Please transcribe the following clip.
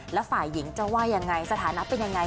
แล้วฝ่ายหญิงจะว่ายังไงสถานะเป็นยังไง